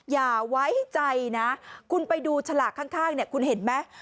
อย่าไว้ใจนะคุณไปดูฉลากข้างเนี่ยคุณเห็นไหม